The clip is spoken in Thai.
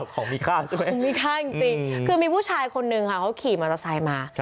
ของมีค่าใช่ไหมมีค่าจริงคือมีผู้ชายคนนึงค่ะเขาขี่มอเตอร์ไซค์มา